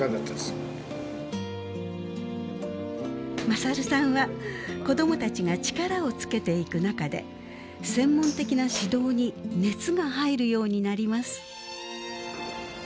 優さんは子どもたちが力をつけていく中で専門的な指導に熱が入るようになります。